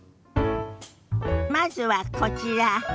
まずはこちら。